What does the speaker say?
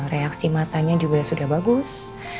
reaksi matanya juga sudah bagus